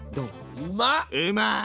うまい！